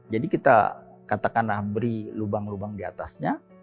jadi kita katakanlah beri lubang lubang diatasnya